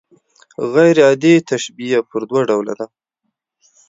غير عادي تشبیه پر دوه ډوله ده.